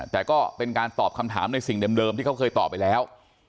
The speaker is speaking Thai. แต่ก็เป็นการตอบคำถามในสิ่งเดิมที่เขาเคยตอบไปแล้ว